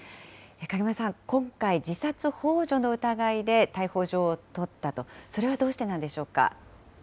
影山さん、今回、自殺ほう助の疑いで逮捕状を取ったと、それはどうしてなんでしょうか。